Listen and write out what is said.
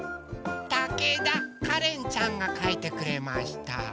たけだかれんちゃんがかいてくれました。